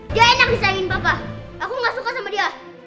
dia enak disayangin bapak aku gak suka sama dia